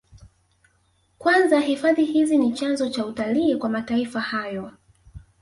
Kwanza hifadhi hizi ni chanzo cha utalii kwa mataifa hayo